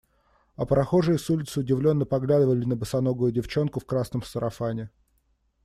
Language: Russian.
А прохожие с улицы удивленно поглядывали на босоногую девчонку в красном сарафане.